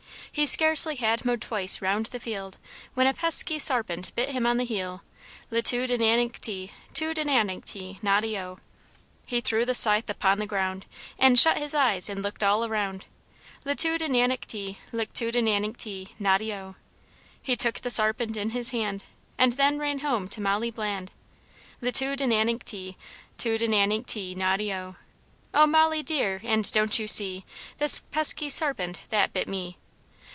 He scarce had mowed twice round the field, When a pesky sarpent bit him on the heel, Li tu di nan incty, tu di nan incty, noddy O! He threw the scythe upon the ground, An' shut his eyes, and looked all round, Li tu di nan incty, tu di nan incty, noddy O! He took the sarpent in his hand, And then ran home to Molly Bland, Li tu di nan incty, tu di nan incty, noddy O! O Molly dear, and don't you see, This pesky sarpent that bit me?